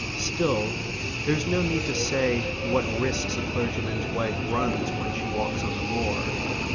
Still there is no need to say what risks a clergyman's wife runs when she walks on the moor.